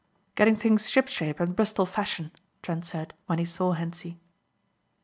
"Getting things shipshape and Bristol fashion," Trent said, when he saw Hentzi.